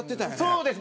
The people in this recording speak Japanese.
そうです。